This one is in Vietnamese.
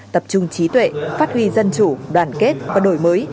tập trung trí tuệ phát huy dân chủ đoàn kết và đổi mới